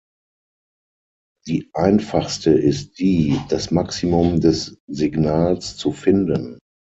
Die einfachste ist die, das Maximum des Signals zu finden.